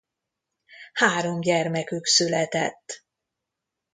Három gyermekük született.